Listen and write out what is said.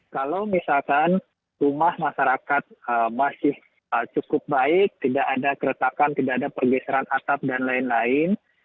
kalau misalkan rumah masyarakat masih cukup baik tidak ada keretakan tidak ada pergeseran atap dan lain lain